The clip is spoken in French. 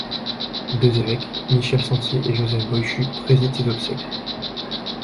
Deux évêques, Michel Santier et Joseph Boishu, président ses obsèques.